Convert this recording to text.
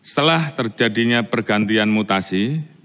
setelah terjadinya pergantian mutasi